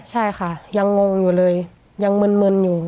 ใช่ค่ะยังงงอยู่เลยยังมึนอยู่